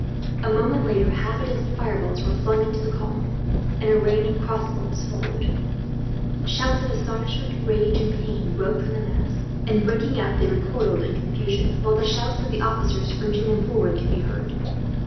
A moment later half a dozen fireballs were flung into the column, and a rain of crossbow bolts followed. Shouts of astonishment, rage, and pain broke from the mass and, breaking up, they recoiled in confusion; while the shouts of the officers, urging them forward, could be heard.